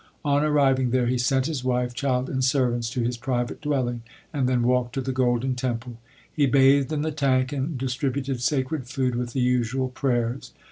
On arriving there he sent his wife, child, and servants to his private dwelling, and then walked to the Golden Temple. He bathed in the tank and distributed sacred food with the usual prayers.